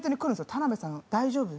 「田辺さん大丈夫？